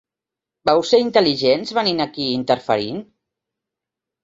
Vau ser intel·ligents, venint aquí i interferint?